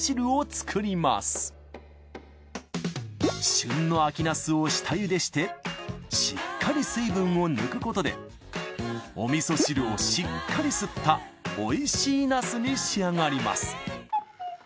旬の秋ナスを下茹でしてしっかり水分を抜くことでおみそ汁をしっかり吸ったおいしいナスに仕上がります